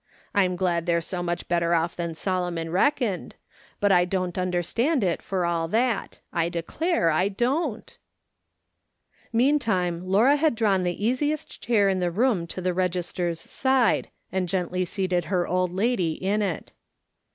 I'm glad they're so much better off than Solomon reckoned ; but I don't understand it for all that ; I declare I don't." ^leantime Laura had drawn the easiest chair in the room to the register's side, and gently seated her old lady in it.